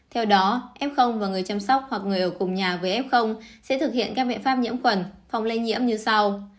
theo đó f và người chăm sóc hoặc người ở cùng nhà với f sẽ thực hiện các biện pháp nhiễm khuẩn phòng lây nhiễm như sau